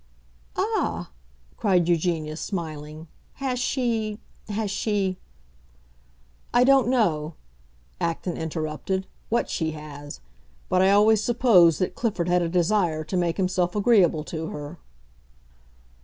"Ah," cried Eugenia, smiling, "has she—has she——" "I don't know," Acton interrupted, "what she has. But I always supposed that Clifford had a desire to make himself agreeable to her."